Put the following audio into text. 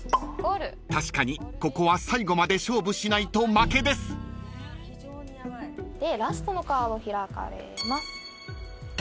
［確かにここは最後まで勝負しないと負けです］でラストのカード開かれます。